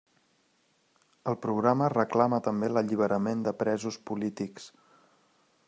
El Programa reclama també l'alliberament de presos polítics.